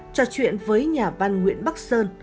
trò chuyện với nhà văn nguyễn bắc sơn